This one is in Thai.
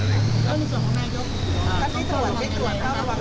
การที่ตรวจพี่ตรวจหรือยังไง